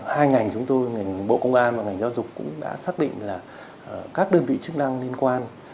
hai ngành chúng tôi ngành bộ công an và ngành giáo dục cũng đã xác định là các đơn vị chức năng liên quan